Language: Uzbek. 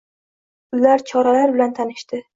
Ular choralar bilan tanishdi.